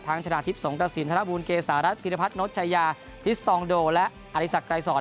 ทั้งชนาทิพย์สงตรศิลป์ธนบูรณ์เกษารัฐพิริพัทย์โนชัยาฟิสตองโดและอธิษฐกรายสอน